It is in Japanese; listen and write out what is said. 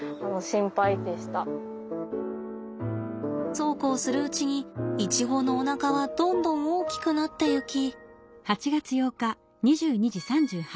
そうこうするうちにイチゴのおなかはどんどん大きくなっていき。